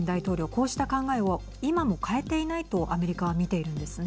こうした考えを今も変えていないとアメリカは見ているんですね。